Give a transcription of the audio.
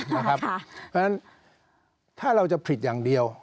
เพราะฉะนั้นถ้าเราจะผิดอย่างเดียว